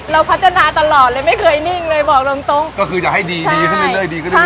เราพัฒนาตลอดเลยไม่เคยนิ่งเลยบอกตรงตรงก็คืออยากให้ดีดีขึ้นเรื่อยดีขึ้นเรื่อย